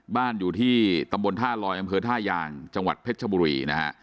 บ้านอยู่ที่ตำบลท่าลอยอำเภอท่ายางจังหวัดเพชรชบุรีนะฮะ